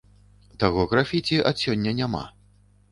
Таго графіці ад сёння няма!